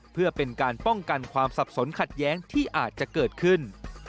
เพื่อเป็นการป้องกันความสับสนขัดแย้งที่อาจจะเกิดขึ้น